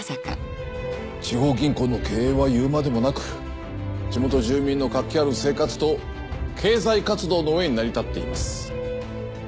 地方銀行の経営は言うまでもなく地元住民の活気ある生活と経済活動の上に成り立っています。